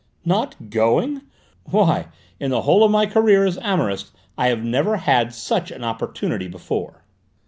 "Not going? Why, in the whole of my career as amorist, I have never had such an opportunity before!"